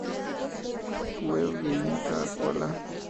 Web de Inca Kola